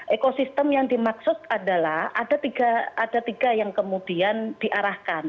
ekosistem yang dimaksud adalah ada tiga yang kemudian diarahkan